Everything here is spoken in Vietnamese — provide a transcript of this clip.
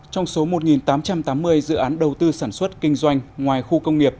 trong số một tám trăm tám mươi dự án đầu tư sản xuất kinh doanh ngoài khu công nghiệp